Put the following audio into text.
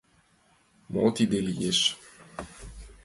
Мо тиде лиеш?